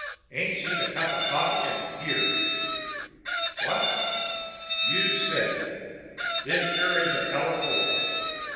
Ain't seen a cup of coffee in a year. What? You said it! This sure is a hell of a war.